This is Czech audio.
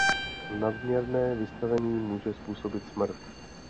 Nadměrné vystavení může způsobit smrt.